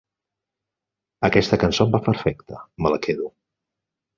Aquesta cançó em va perfecte; me la quedo.